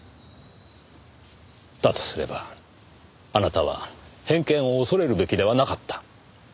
だとすればあなたは偏見を恐れるべきではなかった。